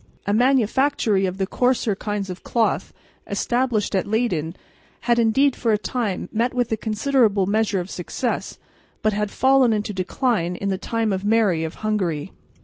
A manufactory of the coarser kinds of cloth, established at Leyden, had indeed for a time met with a considerable measure of success, but had fallen into decline in the time of Mary of Hungary.